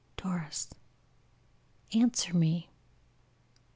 "Doris, answer me."